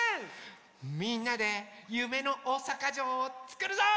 みんなでゆめのおおさかじょうをつくるぞ！